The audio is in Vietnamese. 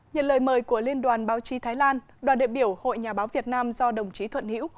nhận lời mời của liên đoàn báo chí thái lan đoàn đại biểu hội nhà báo việt nam do đồng chí thuận hữu